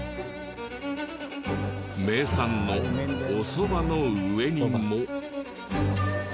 名産のおそばの上にも。